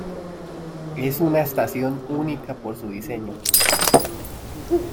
Es una estación única por su diseño.